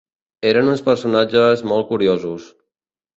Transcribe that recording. Eren uns personatges molt curiosos.